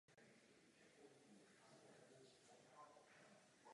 Na Zimních olympijských hrách v Turíně skončila na stejné distanci sedmá.